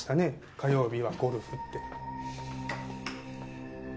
火曜日はゴルフって。